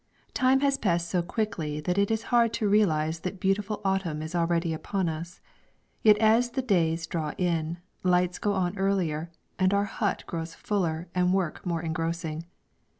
_ Time has passed so quickly that it is hard to realise that beautiful autumn is already upon us. Yet as the days draw in, lights go on earlier, and our hut grows fuller and work more engrossing.